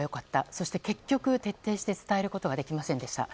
そして結局、徹底して伝えることができませんでした。